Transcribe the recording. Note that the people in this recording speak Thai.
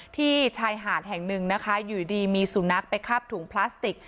ที่ชายหาดแห่งหนึ่งนะคะอยู่ดีมีสุนัขไปคาบถุงพลาสติก